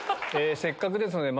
せっかくですので。